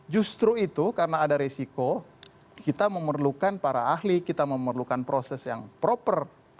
justru itu karena ada resiko kita memerlukan para ahli kita memerlukan proses yang proper